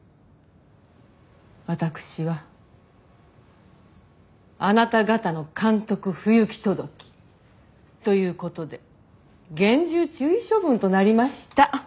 私はあなた方の監督不行き届きという事で厳重注意処分となりました。